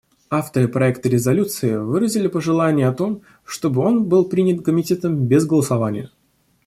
Авторы проекта резолюции выразили пожелание о том, чтобы он был принят Комитетом без голосования.